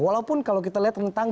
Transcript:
walaupun kalau kita lihat rentang